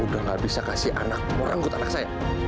udah gak bisa kasih anak mau rangkut anak saya